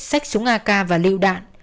sách súng ak và lựu đạn